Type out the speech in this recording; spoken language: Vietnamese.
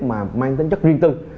mà mang tính chất riêng tư